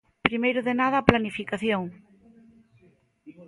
Primeiro de nada, a planificación.